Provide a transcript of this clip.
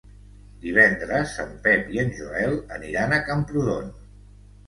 Divendres en Pep i en Joel aniran a Camprodon.